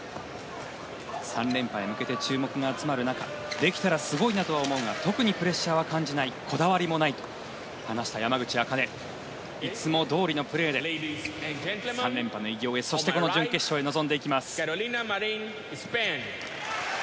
３連覇へ向けて注目が集まる中できたらすごいなと思うが特にプレッシャーは感じないこだわりもないと話した山口茜。いつもどおりのプレーで３連覇の偉業へそして準決勝へ臨んでいきます。